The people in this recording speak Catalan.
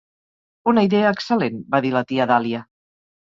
"Una idea excel·lent", va dir la tia Dahlia.